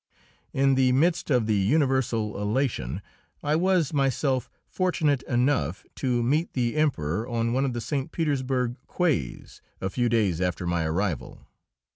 In the midst of the universal elation I was myself fortunate enough to meet the Emperor on one of the St. Petersburg quays a few days after my arrival.